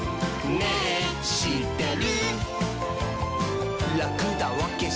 「ねぇしってる？」